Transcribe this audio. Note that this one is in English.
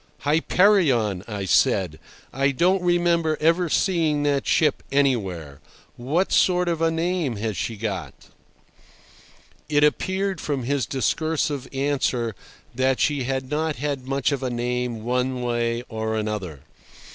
"Hyperion," I said. "I don't remember ever seeing that ship anywhere. What sort of a name has she got?" It appeared from his discursive answer that she had not much of a name one way or another.